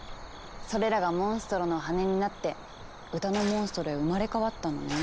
それらがモンストロの羽になって歌のモンストロへ生まれ変わったのね。